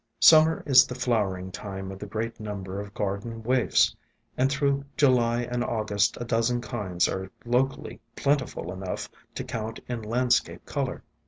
Summer is the flowering time of the great number of garden waifs, and through July and August a dozen kinds are locally plentiful enough to count in landscape color.